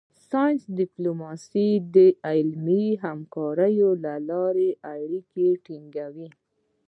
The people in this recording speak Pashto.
ساینس ډیپلوماسي د علمي همکاریو له لارې اړیکې ټینګوي